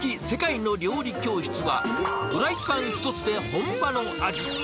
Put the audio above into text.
世界の料理教室は、フライパン１つで本場の味。